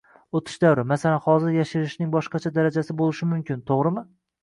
Oʻtish davri, masalan hozir yashirishning boshqacha darajasi boʻlishi mumkin, toʻgʻrimi?